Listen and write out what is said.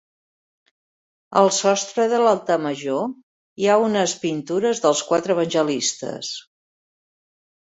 Al sostre de l'altar major hi ha unes pintures dels quatre evangelistes.